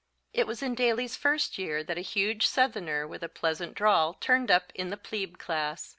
It was in Daly's first year that a huge Southerner, with a pleasant drawl, turned up in the plebe class.